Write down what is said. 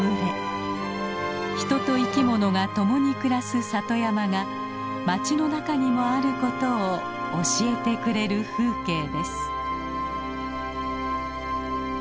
人と生き物が共に暮らす里山が町の中にもあることを教えてくれる風景です。